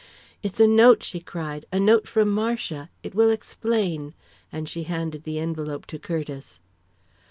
"It's a note!" she cried. "A note from Marcia! It will explain!" and she handed the envelope to Curtiss.